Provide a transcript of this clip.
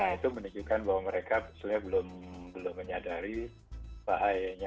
itu menunjukkan bahwa mereka sebenarnya belum menyadari bahayanya